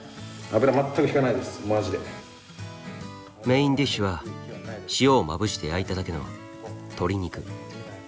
メインディッシュは塩をまぶして焼いただけの鶏肉。